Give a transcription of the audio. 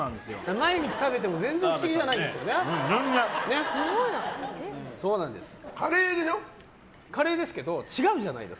毎日食べても全然不思議じゃないんです。